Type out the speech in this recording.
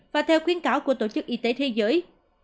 và theo khuyến cáo của tổ chức y tế thế giới